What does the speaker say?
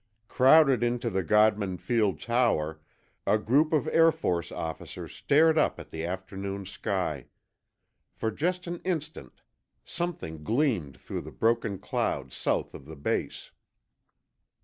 Crowded into the Godman Field Tower, a group of Air Force officers stared up at the afternoon sky. For just an instant, something gleamed through the broken clouds south of the base.